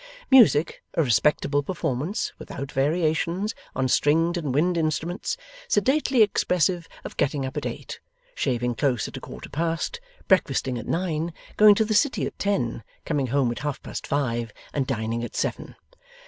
Music; a respectable performance (without variations) on stringed and wind instruments, sedately expressive of getting up at eight, shaving close at a quarter past, breakfasting at nine, going to the City at ten, coming home at half past five, and dining at seven.